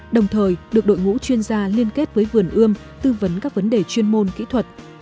đồng thời được đội ngũ chuyên gia liên kết với vườn ươm tư vấn các vấn đề chuyên môn kỹ thuật